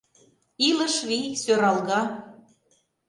Илыш вий сӧралга